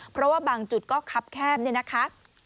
เพราะว่าบางจุดก็คับแคบเนี่ยนะคะ